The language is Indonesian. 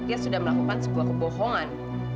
dia sudah melakukan sebuah kebohongan